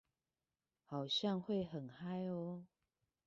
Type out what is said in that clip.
好像會很嗨喔